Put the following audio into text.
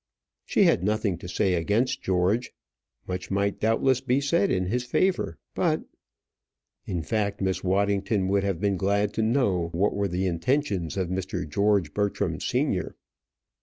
She had nothing to say against George; much might doubtless be said in his favour, but . In fact, Miss Waddington would have been glad to know what were the intentions of Mr. George Bertram senior.